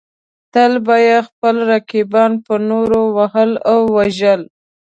تل به یې خپل رقیبان په نورو وهل او وژل.